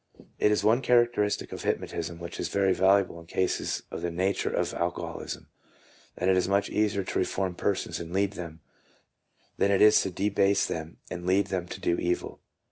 It is one characteristic of hypnotism, which is very valuable in cases of the nature of alcoholism, that it is so much easier to reform persons and lead them to do good, than it is to debase them and lead them to do evil.